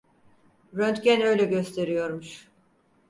Röntgen öyle gösteriyormuş.